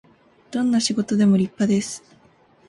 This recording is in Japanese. どんな仕事でも立派です